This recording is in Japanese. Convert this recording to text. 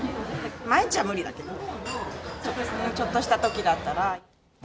毎日は無理だけど、ちょっとしたときだったら。